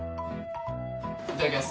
いただきます。